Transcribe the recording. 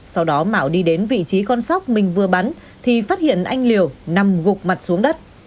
sau đó mạo đi đến vị trí con sóc mình vừa bắn thì phát hiện anh liều nằm gục mặt xuống đất